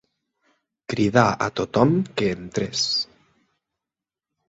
Cridà a tothom que entrés